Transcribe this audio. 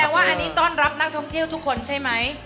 ว่าอันนี้ต้อนรับนักท่องเที่ยวทุกคนใช่ไหม